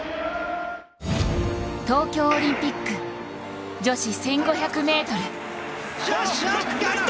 東京オリンピック女子１５００ｍ。